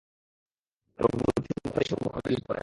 এবং বুদ্ধিমত্তা দিয়ে শক্তির মোকাবিলা করে।